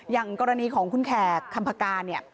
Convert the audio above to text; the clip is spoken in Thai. อย่างกรณีของคุณแขกคำพากาเนี่ย